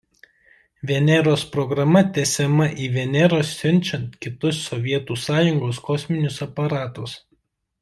Veneros programa tęsiama į Venerą siunčiant kitus Sovietų Sąjungos kosminius aparatus.